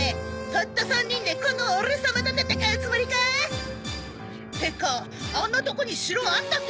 たった３人でこのオレ様と戦うつもりか？ってかあんなとこに城あったっけか？